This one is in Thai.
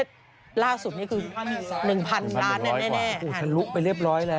ฉันรู้ไปเรียบร้อยแล้ว